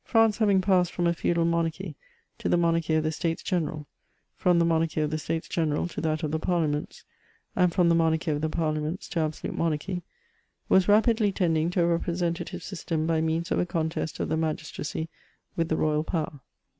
France having passed from a feudal monarchy to the monarchy of the States General,, from the monarchy of the States General to that of the Parliaments, and from the monarchy of the Parliaments to absolute monarchy, was rapidly tending to a representative system by means of a con test of the magistracy with the royal power.